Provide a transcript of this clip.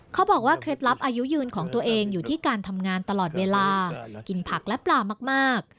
เคล็ดลับอายุยืนของตัวเองอยู่ที่การทำงานตลอดเวลากินผักและปลามาก